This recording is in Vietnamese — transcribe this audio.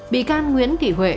bị can nguyễn thị huệ